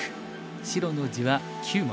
白の地は９目。